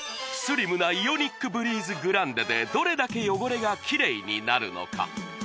スリムなイオニックブリーズＧＲＡＮＤＥでどれだけ汚れがキレイになるのか